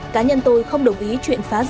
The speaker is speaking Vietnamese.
cả nhân tôi không đồng ý chuyện phá rừng